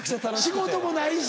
仕事もないし。